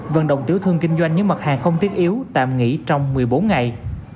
vận động tiểu thương kinh doanh những mặt hàng không thiết yếu tạm nghỉ trong một mươi bốn ngày